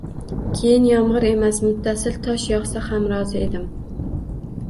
Keyin yomg‘ir emas, muttasil tosh yog‘sa ham rozi edim.